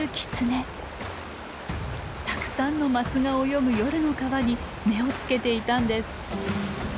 たくさんのマスが泳ぐ夜の川に目をつけていたんです。